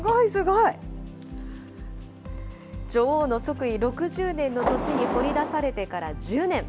女王の即位６０年の年に掘り出されてから１０年。